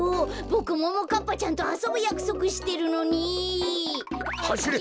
ボクももかっぱちゃんとあそぶやくそくしてるのに。はしれ！